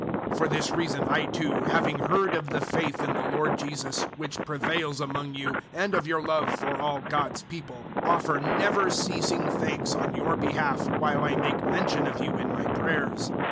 001:015 For this reason I too, having heard of the faith in the Lord Jesus which prevails among you, and of your love for all God's people, 001:016 offer never ceasing thanks on your behalf while I make mention of you in my prayers.